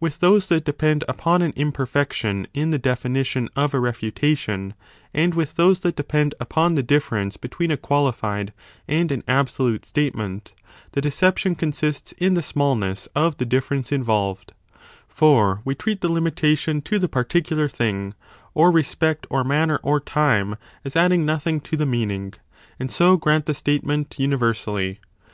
With those that depend upon an imperfection in the definition of a 10 refutation, and with those that depend upon the difference between a qualified and an absolute statement, the deception consists in the smallness of the difference involved ; for we treat the limitation to the particular thing or respect or manner or time as adding nothing to the meaning, and so grant the statement universally.